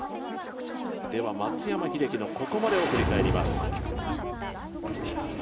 松山英樹のここまでを振り返ります。